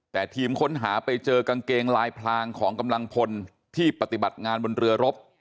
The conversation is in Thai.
แต่ทีมค้นหาไปเจอกางเกงลายพลางของกำลังพลที่ปฏิบัติงานบนเรือรบ